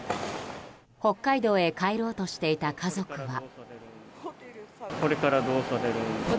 北海道へ帰ろうとしていた家族は。